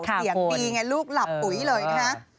เสียงดีไงลูกหลับปุ๋ยเลยนะฮะ